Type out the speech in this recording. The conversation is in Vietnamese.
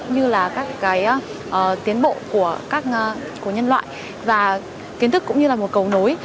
như là các cái tiến bộ của các nhân loại và kiến thức cũng như là một cầu nối